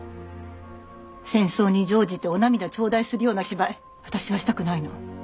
戦争に乗じてお涙頂戴するような芝居私はしたくないの。